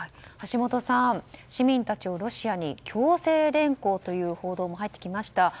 橋下さん、市民たちをロシアに強制連行という報道も入ってきました。